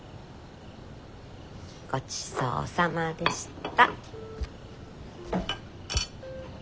ごちそうさまでした。